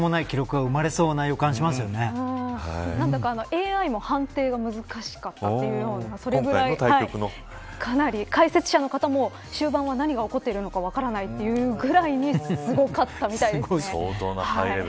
記録が生まれそうなＡＩも判定が難しかったというようなそれぐらい、かなり解説者の方も終盤は何が起こってるのか分からないというぐらいにすごかったみたいですね。